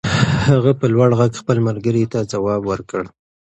هغه په لوړ غږ خپل ملګري ته ځواب ور کړ.